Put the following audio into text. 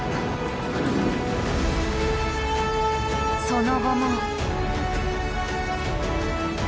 その後も。